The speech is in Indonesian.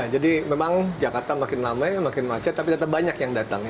jadi memang jakarta makin lama makin macet tapi tetap banyak yang datang